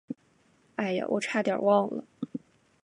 哎呀，我差点忘了。